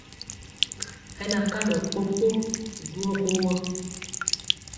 Hɛ na kalɔ kpokpo ɗuyɔ ɓogɔ.